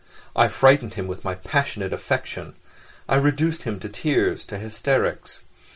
I frightened him with my passionate affection; I reduced him to tears, to hysterics.